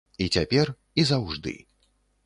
І цяпер, і заўжды.